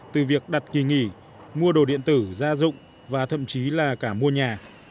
từ việc đặt kỳ nghỉ mua đồ điện tử gia dụng và thậm chí là cả mua nhà